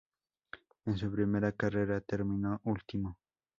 En su primera carrera, terminó último.